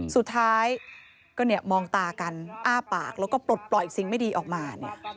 สุดท้ายก็มองตากันอ้าปากแล้วก็ปลดปล่อยสิ่งไม่ดีออกมา